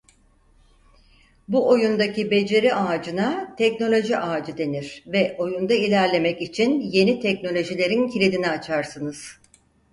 Bu oyundaki beceri ağacına "Teknoloji Ağacı" denir ve oyunda ilerlemek için yeni teknolojilerin kilidini açarsınız.